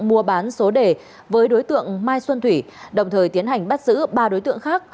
mua bán số đề với đối tượng mai xuân thủy đồng thời tiến hành bắt giữ ba đối tượng khác